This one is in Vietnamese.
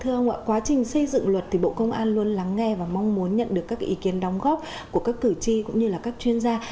thưa ông ạ quá trình xây dựng luật thì bộ công an luôn lắng nghe và mong muốn nhận được các ý kiến đóng góp của các cử tri cũng như là các chuyên gia